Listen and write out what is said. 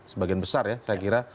sebagian besar ya saya kira